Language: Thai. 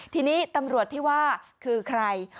ทีนี้ตำรวจที่ว่าคือใคร